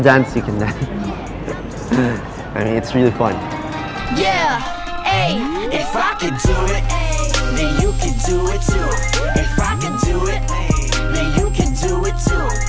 ถ้าทุกคนอยากรอดก็รับร่วมด้วย